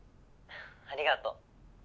ありがとう。